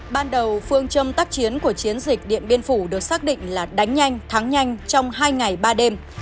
ban đầu phương châm tác chiến của chiến dịch điện biên phủ được xác định là đánh nhanh thắng nhanh trong hai ngày ba đêm